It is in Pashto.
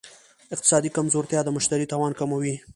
اقتصادي کمزورتیا د مشتري توان کموي.